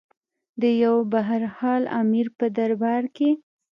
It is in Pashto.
د یو برحال امیر په دربار کې.